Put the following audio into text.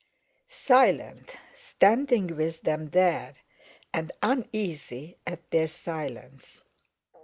Silent, standing with them there, and uneasy at their silence!